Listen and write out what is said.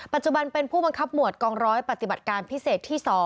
ปัจจุบันเป็นผู้บังคับหมวดกองร้อยปฏิบัติการพิเศษที่๒